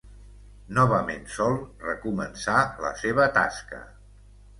Novament sol, recomençà la seva tasca.